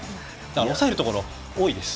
押さえるところが多いです。